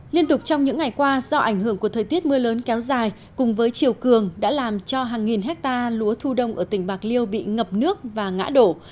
liên tục trong những ngày qua do ảnh hưởng của thời tiết mưa lớn kéo dài cùng với chiều cường đã làm cho hàng nghìn hectare lúa thu đông ở tỉnh bạc liêu bị ngập nước và ngã đổ